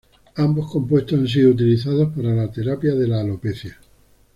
Ambos compuestos han sido utilizados para la terapia de la alopecia.